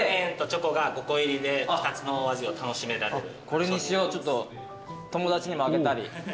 これにしよう友達にもあげたり。